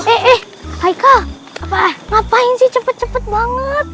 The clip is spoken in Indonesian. eh aiko ngapain sih cepet cepet banget